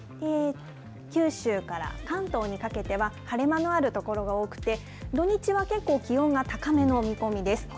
九州から関東にかけては、晴れ間のある所が多くて、土日は結構、気温が高めの見込みです。